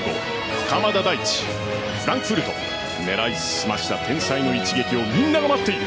フランクフルト狙い澄ました天才の一撃をみんなが待っている。